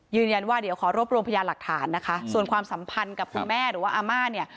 ยืนยันว่าเดี๋ยวขอรวบรวมพยานหลักฐานนะคะส่วนความสัมพันธ์กับคุณแม่หรือว่าอาม่าเนี่ย